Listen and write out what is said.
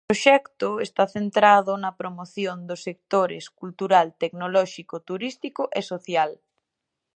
O proxecto está centrado na promoción dos sectores cultural, tecnolóxico, turístico e social.